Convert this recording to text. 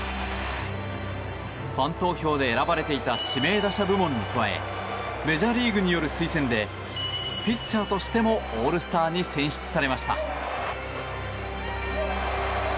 ファン投票で選ばれていた指名打者部門に加えメジャーリーグによる推薦でピッチャーとしてもオールスターに選出されました。